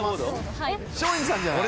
松陰寺さんじゃない？